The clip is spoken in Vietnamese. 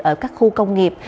ở các khu công nghiệp